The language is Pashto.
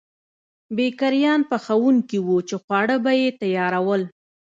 بېکریان پخوونکي وو چې خواړه به یې تیارول.